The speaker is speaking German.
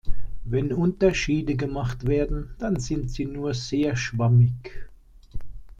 Wenn Unterschiede gemacht werden, dann sind sie nur sehr schwammig.